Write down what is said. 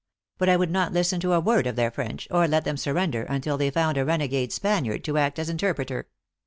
But I would not listen to a word of their French, or let them sur render, until they found a renegade Spaniard to act as interpreter.